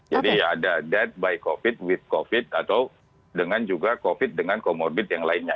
jadi ada death by covid with covid atau dengan juga covid dengan comorbid yang lainnya